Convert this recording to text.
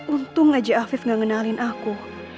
untung aja afif gak ngenalin aku